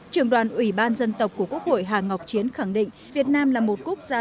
trường đoàn ủy ban dân tộc của quốc hội hà ngọc chiến khẳng định việt nam là một quốc gia